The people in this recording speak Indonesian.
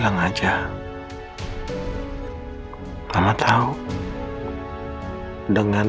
cinta aku sama kamu masih lama coding apa mano